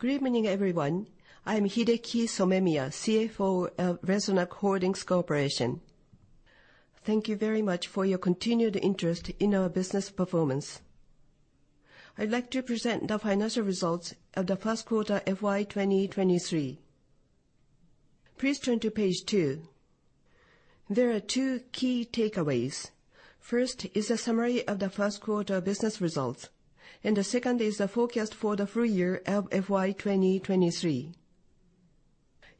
Good evening, everyone. I'm Hideki Somemiya, CFO of Resonac Holdings Corporation. Thank you very much for your continued interest in our business performance. I'd like to present the financial results of the first quarter FY 2023. Please turn to page two. There are two key takeaways. First is a summary of the first quarter business results, and the second is the forecast for the full year of FY 2023.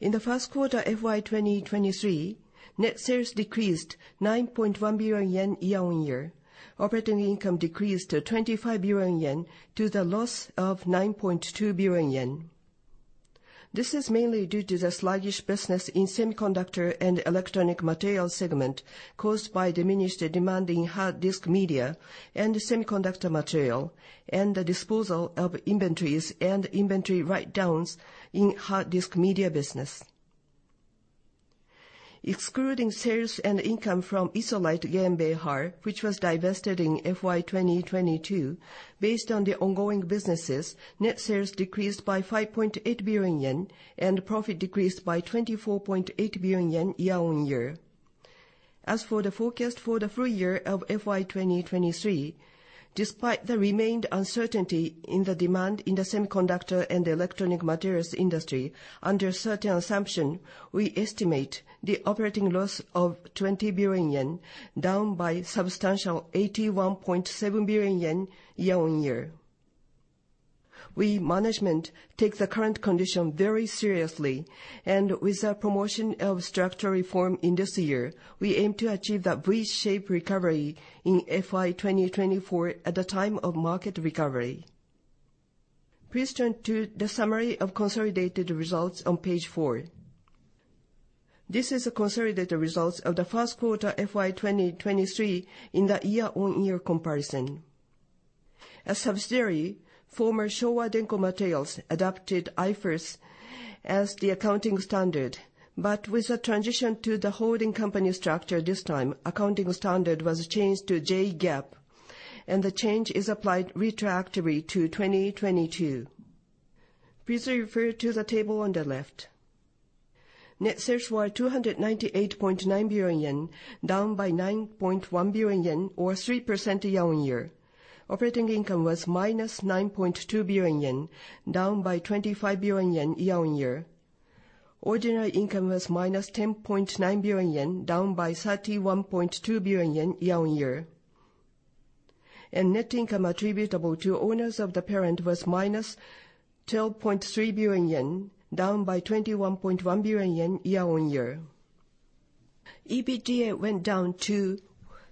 In the first quarter FY 2023, net sales decreased 9.1 billion yen year-over-year. Operating income decreased to 25 billion yen to the loss of 9.2 billion yen. This is mainly due to the sluggish business in semiconductor and electronic materials segment caused by diminished demand in hard disk media and semiconductor material, and the disposal of inventories and inventory write-downs in hard disk media business. Excluding sales and income from ISOLITE GmbH, which was divested in FY 2022, based on the ongoing businesses, net sales decreased by 5.8 billion yen, and profit decreased by 24.8 billion yen year-over-year. As for the forecast for the full year of FY 2023, despite the remained uncertainty in the demand in the semiconductor and electronic materials industry, under certain assumption, we estimate the operating loss of 20 billion yen, down by substantial 81.7 billion yen year-over-year. We, management, take the current condition very seriously, with the promotion of structural reform in this year, we aim to achieve the V-shaped recovery in FY 2024 at the time of market recovery. Please turn to the summary of consolidated results on page four. This is a consolidated results of the first quarter FY 2023 in the year-over-year comparison. A subsidiary, former Showa Denko Materials, adopted IFRS as the accounting standard, but with the transition to the holding company structure this time, accounting standard was changed to JGAAP, the change is applied retroactively to 2022. Please refer to the table on the left. Net sales were 298.9 billion yen, down by 9.1 billion yen, or 3% year-over-year. Operating income was -9.2 billion yen, down by 25 billion yen year-over-year. Ordinary income was -10.9 billion yen, down by 31.2 billion yen year-over-year. Net income attributable to owners of the parent was -12.3 billion yen, down by 21.1 billion yen year-over-year. EBITDA went down to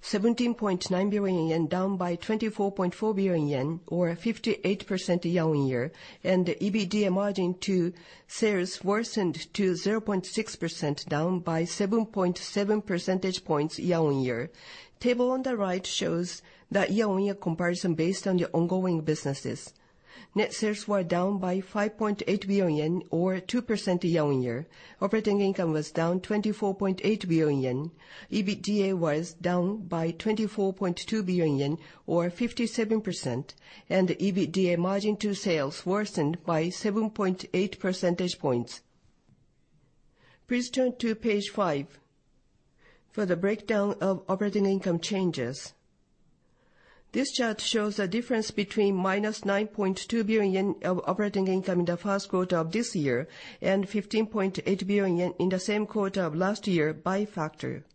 17.9 billion yen, down by 24.4 billion yen, or 58% year-over-year. The EBITDA margin to sales worsened to 0.6%, down by 7.7 percentage points year-over-year. Table on the right shows the year-over-year comparison based on the ongoing businesses. Net sales were down by 5.8 billion yen, or 2% year-over-year. Operating income was down 24.8 billion yen. EBITDA was down by 24.2 billion yen, or 57%, the EBITDA margin to sales worsened by 7.8 percentage points. Please turn to page five for the breakdown of operating income changes. This chart shows the difference between -9.2 billion yen of operating income in the first quarter of this year, and 15.8 billion yen in the same quarter of last year by factor.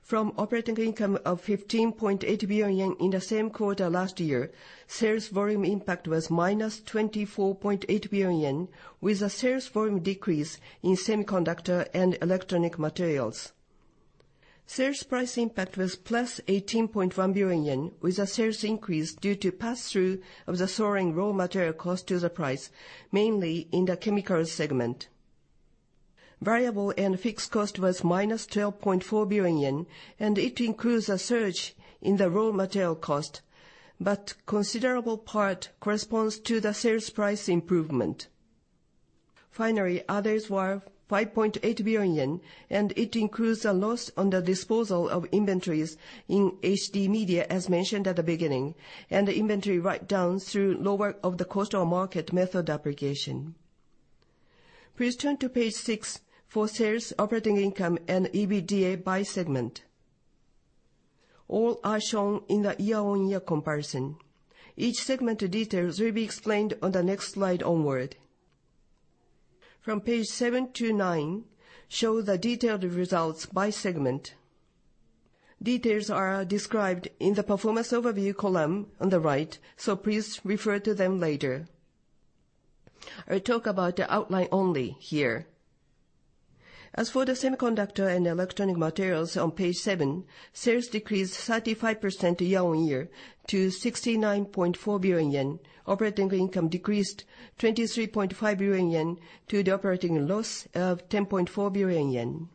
From operating income of 15.8 billion yen in the same quarter last year, sales volume impact was -24.8 billion yen with a sales volume decrease in semiconductor and electronic materials. Sales price impact was plus 18.1 billion yen with a sales increase due to pass-through of the soaring raw material cost to the price, mainly in the Chemicals segment. Variable and fixed cost was minus 12.4 billion yen, and it includes a surge in the raw material cost, but considerable part corresponds to the sales price improvement. Finally, others were 5.8 billion yen, and it includes a loss on the disposal of inventories in HD media as mentioned at the beginning, and the inventory write-down through lower of cost or market method application. Please turn to page six for sales, operating income, and EBITDA by segment. All are shown in the year-on-year comparison. Each segment details will be explained on the next slide onward. From page seven to nine show the detailed results by segment. Details are described in the performance overview column on the right, so please refer to them later. I talk about the outline only here. As for the Semiconductor and Electronic Materials on page seven, sales decreased 35% year-on-year to 69.4 billion yen. Operating income decreased 23.5 billion yen to the operating loss of 10.4 billion yen.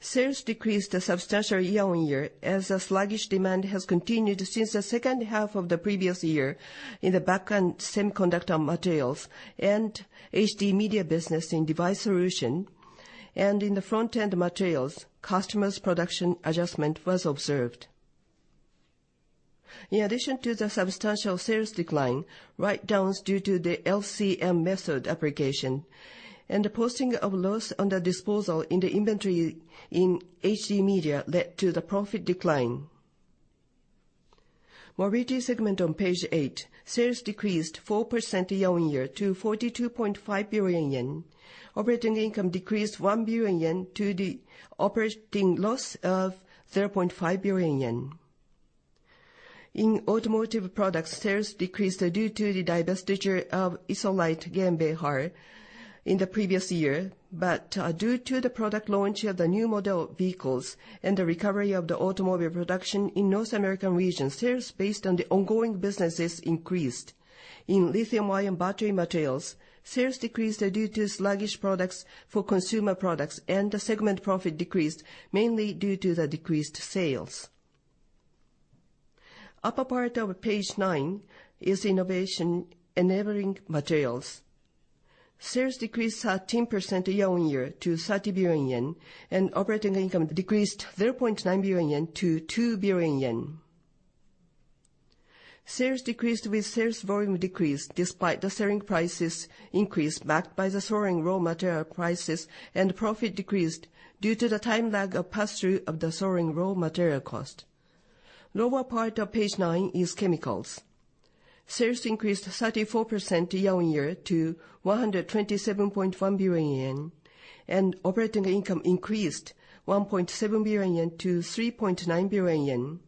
Sales decreased a substantial year-on-year as the sluggish demand has continued since the second half of the previous year in the Back-end semiconductor materials and HD media business in Device Solutions. In the Front-end materials, customers' production adjustment was observed. In addition to the substantial sales decline, write-downs due to the LCM method application, and the posting of loss on the disposal in the inventory in HD media led to the profit decline. Mobility segment on page eight. Sales decreased 4% year-on-year to 42.5 billion yen. Operating income decreased 1 billion yen to the operating loss of 3.5 billion yen. In automotive products, sales decreased due to the divestiture of ISOLITE GmbH in the previous year. Due to the product launch of the new model vehicles and the recovery of the automobile production in North American region, sales based on the ongoing businesses increased. In lithium-ion battery materials, sales decreased due to sluggish products for consumer products, and the segment profit decreased mainly due to the decreased sales. Upper part of page nine is Innovation Enabling Materials. Sales decreased 13% year-on-year to 30 billion yen, and operating income decreased 0.9 billion yen to 2 billion yen. Sales decreased with sales volume decreased, despite the selling prices increased backed by the soaring raw material prices, and profit decreased due to the time lag of pass-through of the soaring raw material cost. Lower part of page nine is Chemicals. Sales increased 34% year-on-year to 127.1 billion yen, and operating income increased 1.7 billion yen to 3.9 billion yen.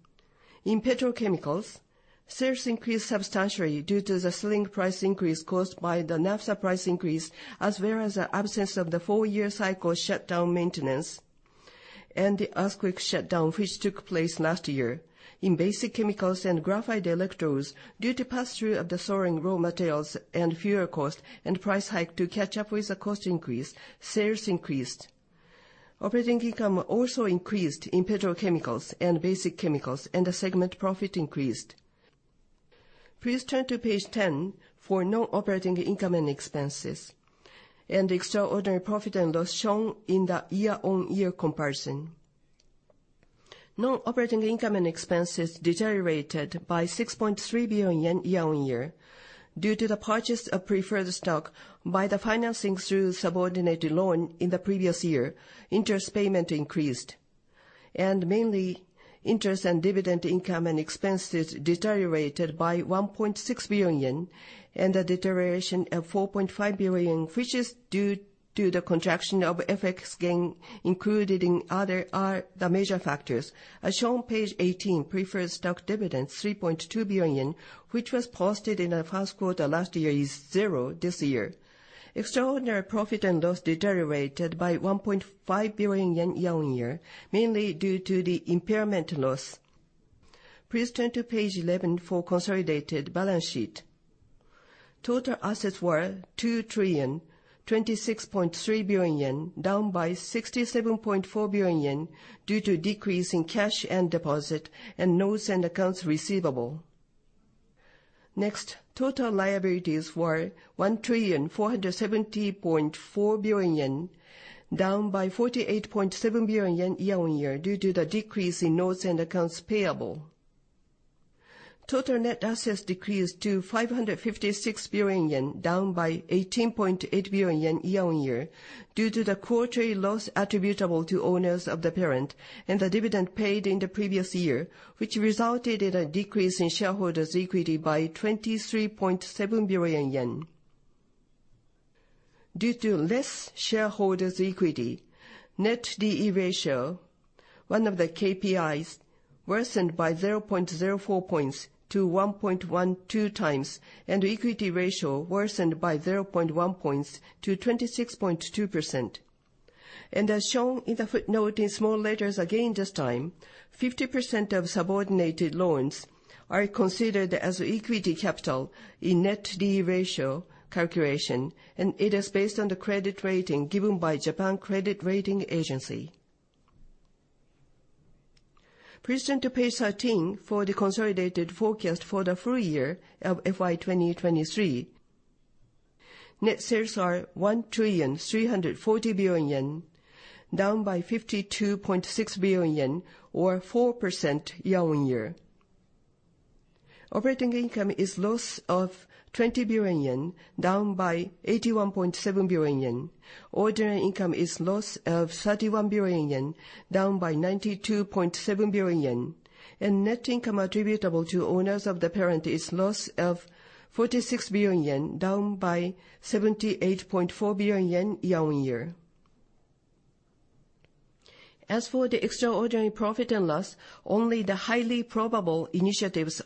In Petrochemicals, sales increased substantially due to the selling price increase caused by the naphtha price increase, as well as the absence of the four-year cycle shutdown maintenance and the earthquake shutdown, which took place last year. In Basic Chemicals and graphite electrodes, due to pass-through of the soaring raw materials and fuel cost and price hike to catch up with the cost increase, sales increased. Operating income also increased in Petrochemicals and Basic Chemicals, and the segment profit increased. Please turn to page 10 for non-operating income and expenses, and extraordinary profit and loss shown in the year-on-year comparison. Non-operating income and expenses deteriorated by 6.3 billion yen year-on-year. Due to the purchase of preferred stock by the financing through subordinated loan in the previous year, interest payment increased. Mainly interest and dividend income and expenses deteriorated by 1.6 billion yen, the deterioration of 4.5 billion yen, which is due to the contraction of FX gain included in other, are the major factors. As shown page 18, preferred stock dividends 3.2 billion, which was posted in the first quarter last year, is 0 this year. Extraordinary profit and loss deteriorated by 1.5 billion yen year-on-year, mainly due to the impairment loss. Please turn to page 11 for consolidated balance sheet. Total assets were 2,026.3 billion yen, down by 67.4 billion yen due to decrease in cash and deposit and notes and accounts receivable. Next, total liabilities were 1,470.4 billion yen, down by 48.7 billion yen year-on-year due to the decrease in notes and accounts payable. Total net assets decreased to 556 billion yen, down by 18.8 billion yen year-on-year, due to the quarterly loss attributable to owners of the parent and the dividend paid in the previous year, which resulted in a decrease in shareholders' equity by 23.7 billion yen. Due to less shareholders' equity, net D/E ratio, one of the KPIs, worsened by 0.04 points to 1.12 times, and equity ratio worsened by 0.1 points to 26.2%. As shown in the footnote in small letters again this time, 50% of subordinated loans are considered as equity capital in net D/E ratio calculation, and it is based on the credit rating given by Japan Credit Rating Agency. Please turn to page 13 for the consolidated forecast for the full year of FY 2023. Net sales are 1,340 billion yen, down by 52.6 billion yen or 4% year-on-year. Operating income is loss of 20 billion yen, down by 81.7 billion yen. Ordinary income is loss of 31 billion yen, down by 92.7 billion yen. Net income attributable to owners of the parent is loss of 46 billion yen, down by 78.4 billion yen year-on-year. As for the extraordinary profit and loss, only the highly probable initiatives,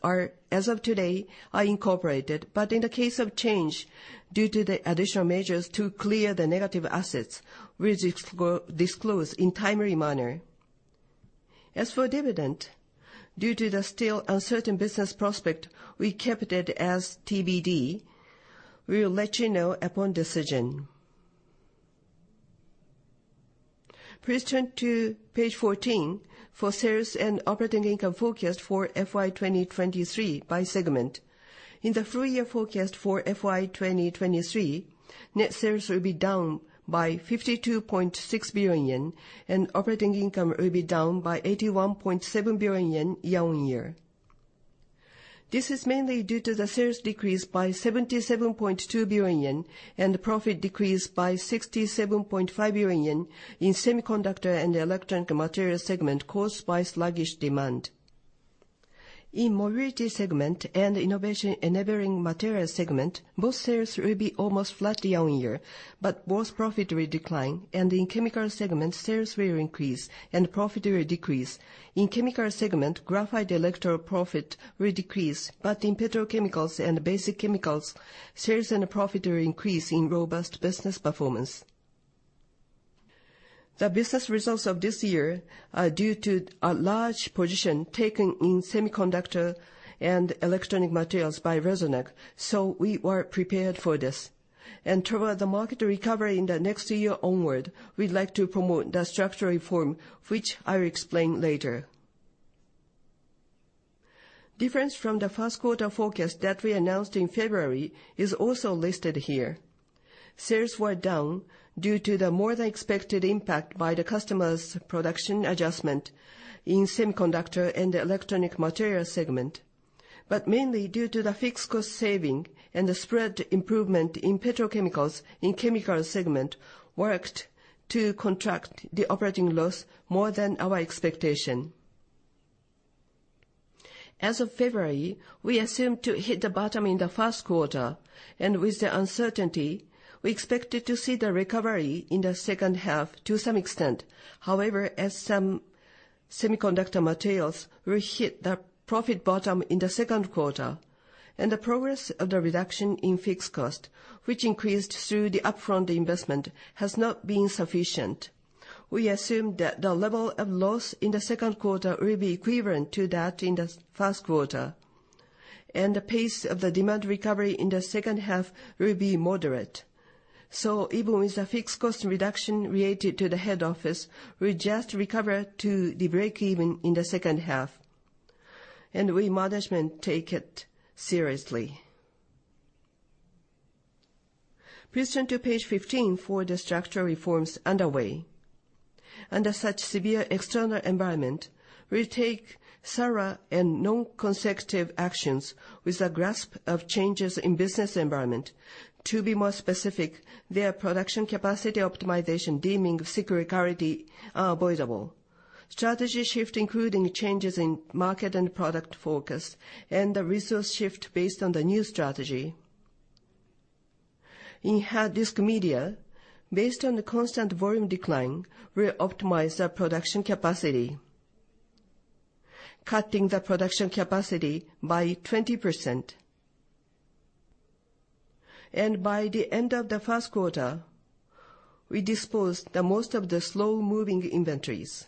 as of today, are incorporated. In the case of change, due to the additional measures to clear the negative assets, we will disclose in timely manner. As for dividend, due to the still uncertain business prospect, we kept it as TBD. We will let you know upon decision. Please turn to page 14 for sales and operating income forecast for FY 2023 by segment. In the full year forecast for FY 2023, net sales will be down by 52.6 billion yen, operating income will be down by 81.7 billion yen year-on-year. This is mainly due to the sales decrease by 77.2 billion yen and the profit decreased by 67.5 billion yen in Semiconductor and Electronic Materials segment caused by sluggish demand. In Mobility segment and Innovation Enabling Materials segment, both sales will be almost flat year-on-year, both profit will decline. In Chemicals segment, sales will increase and profit will decrease. In Chemicals segment, graphite electrode profit will decrease. In Petrochemicals and Basic Chemicals, sales and profit will increase in robust business performance. The business results of this year are due to a large position taken in Semiconductor and Electronic Materials by Resonac, so we were prepared for this. Toward the market recovery in the next year onward, we'd like to promote the structural reform, which I will explain later. Difference from the first quarter forecast that we announced in February is also listed here. Sales were down due to the more-than-expected impact by the customer's production adjustment in semiconductor and electronic materials segment. Mainly due to the fixed cost saving and the spread improvement in Petrochemicals in Chemicals segment worked to contract the operating loss more than our expectation. As of February, we assumed to hit the bottom in the first quarter, and with the uncertainty, we expected to see the recovery in the second half to some extent. However, as some semiconductor materials will hit the profit bottom in the second quarter, and the progress of the reduction in fixed cost, which increased through the upfront investment, has not been sufficient. We assumed that the level of loss in the second quarter will be equivalent to that in the first quarter, and the pace of the demand recovery in the second half will be moderate. Even with the fixed cost reduction related to the head office, we just recover to the break even in the second half. We management take it seriously. Please turn to page 15 for the structural reforms underway. Under such severe external environment, we'll take thorough and non-consecutive actions with a grasp of changes in business environment. To be more specific, their production capacity optimization deeming cyclicality unavoidable. Strategy shift, including changes in market and product focus, and the resource shift based on the new strategy. In hard disk media, based on the constant volume decline, we optimize our production capacity, cutting the production capacity by 20%. By the end of the first quarter, we disposed the most of the slow-moving inventories.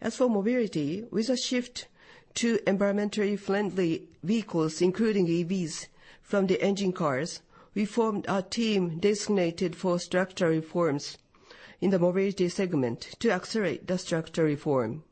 As for Mobility, with a shift to environmentally friendly vehicles, including EVs, from the engine cars, we formed a team designated for structural reforms in the Mobility segment to accelerate the structural reform.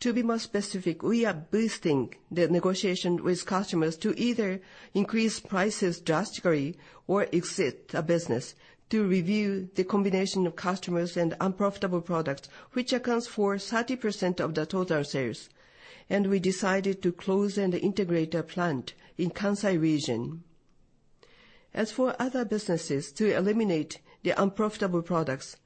To be more specific, we are boosting the negotiation with customers to either increase prices drastically or exit the business to review the combination of customers and unprofitable products, which accounts for 30% of the total sales. We decided to close and integrate a plant in Kansai region. As for other businesses, to eliminate the unprofitable products,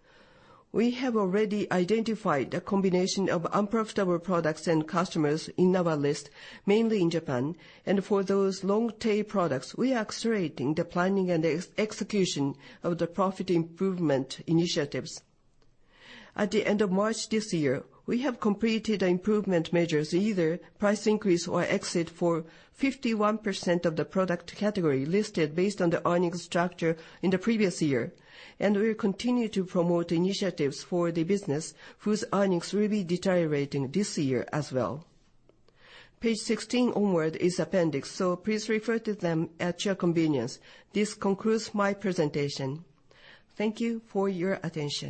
we have already identified a combination of unprofitable products and customers in our list, mainly in Japan. For those long-tail products, we are accelerating the planning and execution of the profit improvement initiatives. At the end of March this year, we have completed improvement measures, either price increase or exit for 51% of the product category listed based on the earnings structure in the previous year. We will continue to promote initiatives for the business whose earnings will be deteriorating this year as well. Page 16 onward is appendix, please refer to them at your convenience. This concludes my presentation. Thank you for your attention.